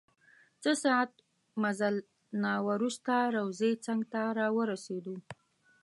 څه ساعت مزل نه وروسته روضې څنګ ته راورسیدو.